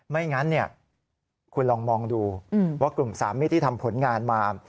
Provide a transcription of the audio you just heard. ไม่งั้นคุณลองมองดูว่ากลุ่มสามมิตรที่ทำผลงานมา